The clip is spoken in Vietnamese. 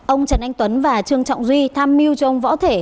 ông trần anh tuấn và trương trọng duy tham mưu cho ông võ thể